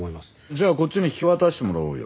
じゃあこっちに引き渡してもらおうよ。